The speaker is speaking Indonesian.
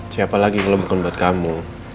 siapa lagi kalau bukan buat kamu